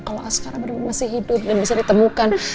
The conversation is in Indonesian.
kalau askara berdua masih hidup dan bisa ditemukan